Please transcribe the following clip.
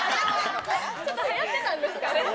ちょっとはやってたんですかね。